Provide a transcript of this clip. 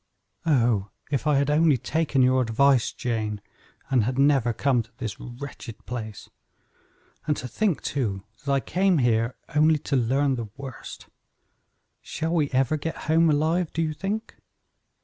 "Oh, if I had only taken your advice, Jane, and had never come to this wretched place; and to think, too, that I came here only to learn the worst. Shall we ever get home alive, do you think?"